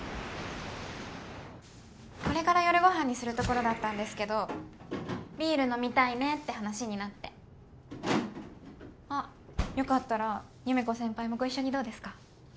これから夜ご飯にするところだったんですけどビール飲みたいねって話になってあっよかったら優芽子先輩もご一緒にどうですか？